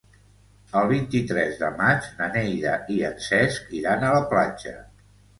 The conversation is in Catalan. El vint-i-tres de maig na Neida i en Cesc iran a la platja.